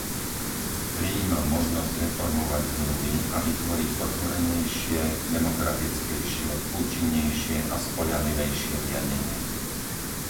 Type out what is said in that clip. Prijímam možnosť reformovať zmluvy a vytvoriť otvorenejšie, demokratickejšie, účinnejšie a spoľahlivejšie riadenie.